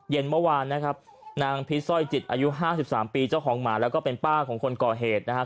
เย็นเมื่อวานนะครับนางพิษสร้อยจิตอายุ๕๓ปีเจ้าของหมาแล้วก็เป็นป้าของคนก่อเหตุนะครับ